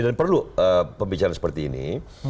dan perlu pembicaraan seperti ini